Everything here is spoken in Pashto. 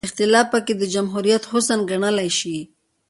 اختلاف پکې د جمهوریت حسن ګڼلی شي.